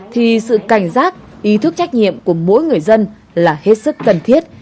thì sự cảnh giác ý thức trách nhiệm của mỗi người dân là hết sức cần thiết